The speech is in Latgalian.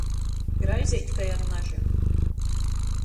Graizeit kai ar nažim.